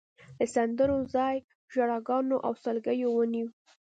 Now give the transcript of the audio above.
د سندرو ځای ژړاګانو او سلګیو ونیو.